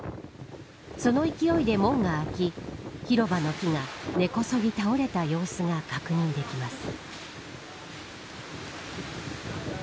その勢いで門が開き広場の木が根こそぎ倒れた様子が確認できます。